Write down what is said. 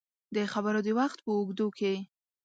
د خبرو د وخت په اوږدو کې